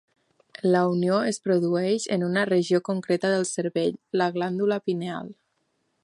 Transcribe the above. La unió es produeix en una regió concreta del cervell: la glàndula pineal.